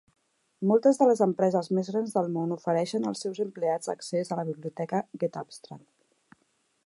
Moltes de les empreses més grans del món ofereixen als seus empleats accés a la biblioteca getAbstract.